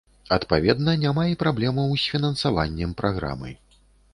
Адпаведна, няма і праблемаў з фінансаваннем праграмы.